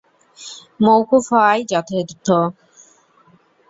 মওকুফ হওয়াই যথার্থ।